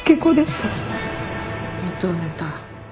認めた。